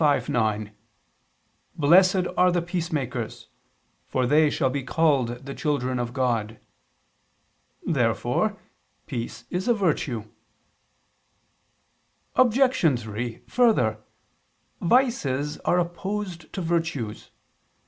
5:9: "Blessed are the peacemakers, for they shall be called the children of God." Therefore peace is a virtue. Obj. 3: Further, vices are opposed to virtues.